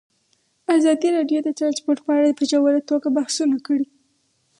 ازادي راډیو د ترانسپورټ په اړه په ژوره توګه بحثونه کړي.